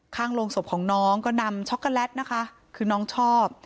โรงศพของน้องก็นำช็อกโกแลตนะคะคือน้องชอบ